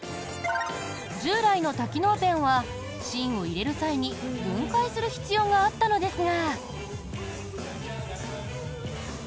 従来の多機能ペンは芯を入れる際に分解する必要があったのですが。